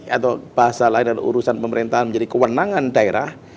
atau bahasa lain dan urusan pemerintahan menjadi kewenangan daerah